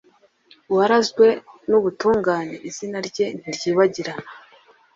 uwaranzwe n’ubutungane, izina rye ntiryibagirana.